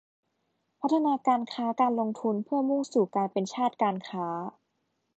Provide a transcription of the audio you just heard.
พัฒนาการค้าการลงทุนเพื่อมุ่งสู่การเป็นชาติการค้า